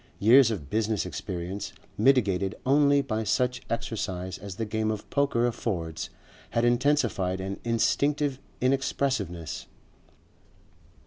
Years of business experience, mitigated only by such exercise as the game of poker affords, had intensified an instinctive inexpressiveness.